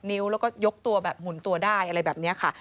นิ้วแล้วก็ยกตัวแบบหมุนตัวได้อะไรแบบนี้ค่ะ